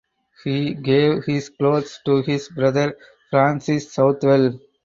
He gave his clothes to his brother Francis Southwell.